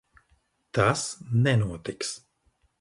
Tas nenotiks.